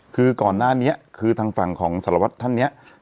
คือก่อนหน้านี้คือทางฝั่งของสารวัตรท่านเนี่ย